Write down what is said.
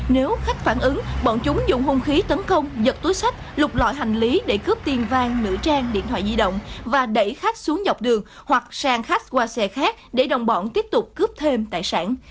nếu khách phản ứng bọn chúng dùng hung khí tấn công giật túi sách lục loại hành lý để cướp tiền vàng nữ trang điện thoại di động và đẩy khách xuống dọc đường hoặc sang khách qua xe khác để đồng bọn tiếp tục cướp thêm tài sản